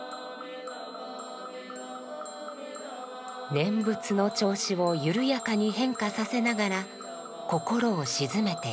念仏の調子をゆるやかに変化させながら心を静めていく。